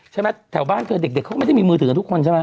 แถวบ้านเธอเด็กเขาก็ไม่ได้มีมือถือกันทุกคนใช่ไหม